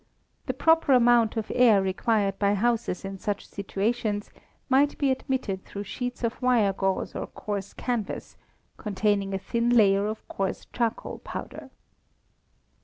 The proper amount of air required by houses in such situations might be admitted through sheets of wire gauze or coarse canvas, containing a thin layer of coarse charcoal powder.